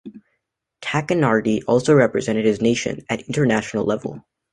Tacchinardi also represented his nation at international level.